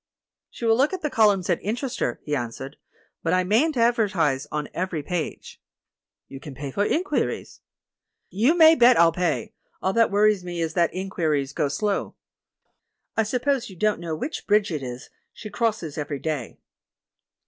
"She will look at the columns that interest her," he answered, "but I mayn't advertise on every page." "You can pay for inquiries." "You may bet I'll pay; all that worries me is that inquiries go slow." "I suppose you don't know which bridge it is she crosses every day?"